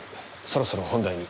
そろそろ本題に。